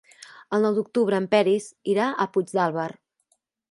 El nou d'octubre en Peris irà a Puigdàlber.